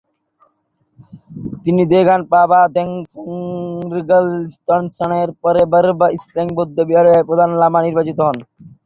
তিনি দ্গোন-পা-বা-দ্বাং-ফ্যুগ-র্গ্যাল-ম্ত্শানের পরে র্বা-স্গ্রেং বৌদ্ধবিহারে প্রধান লামা নির্বাচিত হন।